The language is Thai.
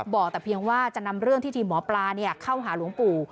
บอกแต่เพียงว่าจะนำเรื่องที่ทีมหมอปลาเข้าหาหลวงปู่